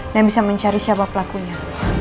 dan bisa mencari siapa pelakunya